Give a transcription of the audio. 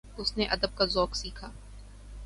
اس نے ادب کا ذوق سیکھا